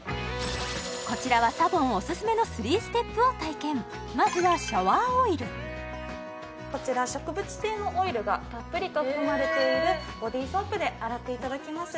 こちらはまずはシャワーオイルこちら植物性のオイルがたっぷりと含まれているボディソープで洗っていただきます